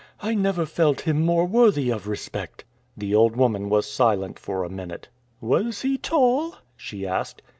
"I never felt him more worthy of respect." The old woman was silent for a minute. "Was he tall?" she asked.